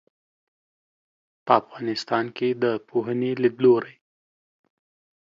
په افغانستان کې د پوهنې لیدلورى